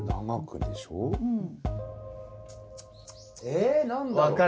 え何だろ？